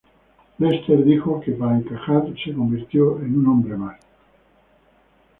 Lester dijo que, para encajar, se "convirtió en un hombre más".